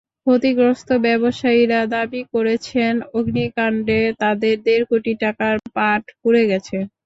ক্ষতিগ্রস্ত ব্যবসায়ীরা দাবি করেছেন, অগ্নিকাণ্ডে তাঁদের দেড় কোটি টাকার পাট পুড়ে গেছে।